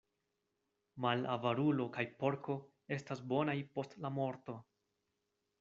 Malavarulo kaj porko estas bonaj post la morto.